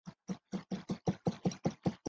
对情有独钟。